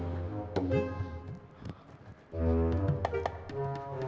ya udah kalau kamu gak bisa